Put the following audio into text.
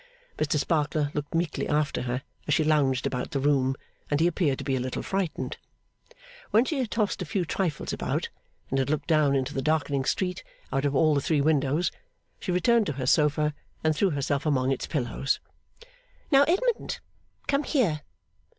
Mr Sparkler looked meekly after her as she lounged about the room, and he appeared to be a little frightened. When she had tossed a few trifles about, and had looked down into the darkening street out of all the three windows, she returned to her sofa, and threw herself among its pillows. 'Now Edmund, come here!